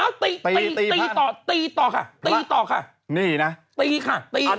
กระโดนทีบแล้วไน้น่ะตีตีต่อค่ะตีต่อค่ะนี่น่ะตีค่ะตีค่ะ